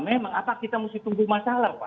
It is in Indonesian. memang apa kita mesti tunggu masalah pak